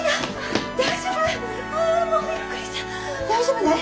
大丈夫？